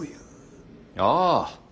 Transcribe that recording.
ああ。